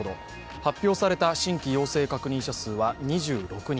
発表された新規陽性確認者数は２６人。